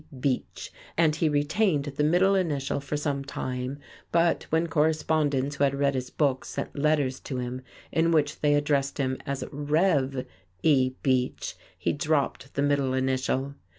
Beach," and he retained the middle initial for some time, but when correspondents who had read his books sent letters to him in which they addressed him as "Rev. E. Beach," he dropped the middle initial.